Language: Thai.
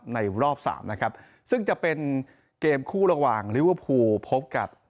ในรอบสามนะครับซึ่งจะเป็นเกมคู่ระหว่างลิเวอร์พูลพบกับ